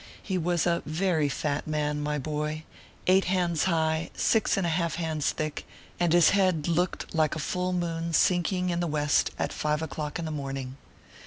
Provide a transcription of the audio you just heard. He was a very fat man, my boy: eight hands high, six and a half hands thick, and his head looked like a full moon sinking in the west at five o clock in the morning.